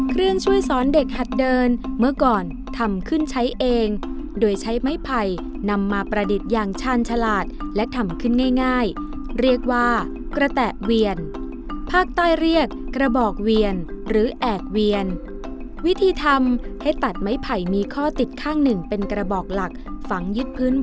เครื่องช่วยสอนเด็กหัดเดินเมื่อก่อนทำขึ้นใช้เองโดยใช้ไม้ไผ่นำมาประดิษฐ์อย่างชาญฉลาดและทำขึ้นง่ายเรียกว่ากระแตะเวียนภาคใต้เรียกกระบอกเวียนหรือแอบเวียนวิธีทำให้ตัดไม้ไผ่มีข้อติดข้างหนึ่งเป็นกระบอกหลักฝังยึดพื้น